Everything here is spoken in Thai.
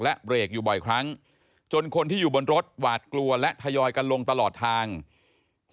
และเบรกอยู่บ่อยครั้งจนคนที่อยู่บนรถหวาดกลัวและทยอยกันลงตลอดทาง